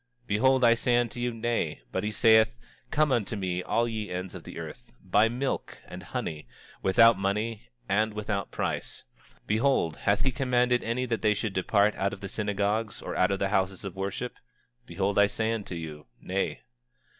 Behold, I say unto you, Nay; but he saith: Come unto me all ye ends of the earth, buy milk and honey, without money and without price. 26:26 Behold, hath he commanded any that they should depart out of the synagogues, or out of the houses of worship? Behold, I say unto you, Nay.